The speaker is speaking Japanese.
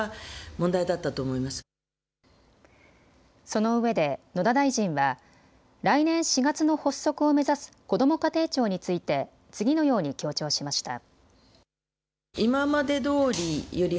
そのうえで野田大臣は来年４月の発足を目指すこども家庭庁について次のように強調しました。